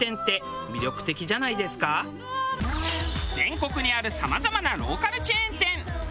全国にあるさまざまなローカルチェーン店。